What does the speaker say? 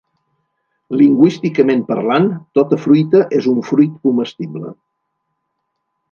Lingüísticament parlant, tota fruita és un fruit comestible.